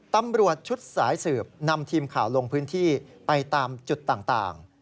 ตำรวจชุดสายสืบนำทีมข่าวลงพื้นที่ไปตามจุดต่าง